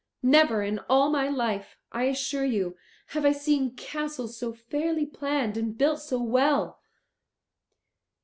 Never in all my life, I assure you, have I seen castles so fairly planned and built so well."